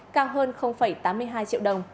cao hơn tám mươi hai triệu đồng